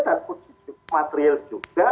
dan uji material juga